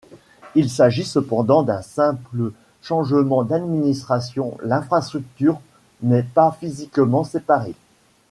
Il s'agit cependant d'un simple changement d'administration, l'infrastructure n'est pas physiquement séparée.